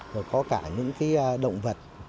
rồi có cả những động vật